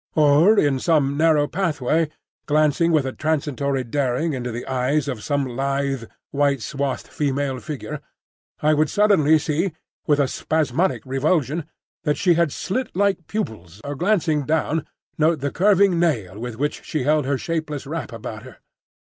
Or in some narrow pathway, glancing with a transitory daring into the eyes of some lithe, white swathed female figure, I would suddenly see (with a spasmodic revulsion) that she had slit like pupils, or glancing down note the curving nail with which she held her shapeless wrap about her.